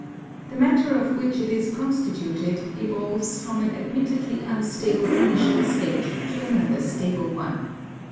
The matter of which it is constituted evolves from an admittedly unstable initial state to another stable one.